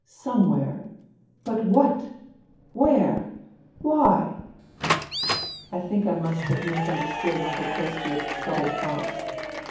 Some where. But what ? Where ? Why ?" I think I must have misunderstood Uncle Kostia' s subtle thoughts.